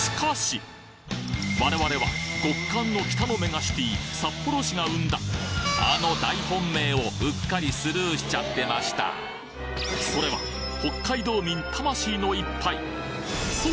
我々は極寒の北のメガシティ札幌市が生んだあの大本命をうっかりスルーしちゃってましたそれはそう！